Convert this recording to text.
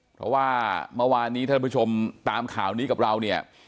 เพราะว่าเมื่อวานนี้ท่านผู้ชมตามข่าวนี้กับเราเนี่ย